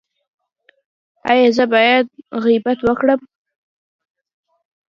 ایا زه باید غیبت وکړم؟